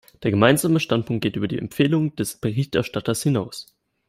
Der Gemeinsame Standpunkt geht über die Empfehlungen des Berichterstatters hinaus.